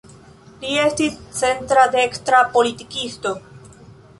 Li estis centra-dekstra politikisto.